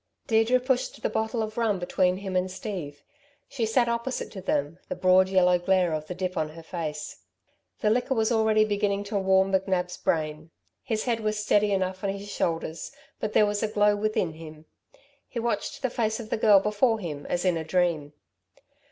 Deirdre pushed the bottle of rum between him and Steve. She sat opposite to them, the broad yellow glare of the dip on her face. The liquor was already beginning to warm McNab's brain. His head was steady enough on his shoulders; but there was a glow within him. He watched the face of the girl before him as in a dream.